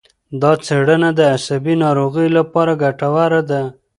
دا څېړنه د عصبي ناروغیو لپاره ګټوره ده.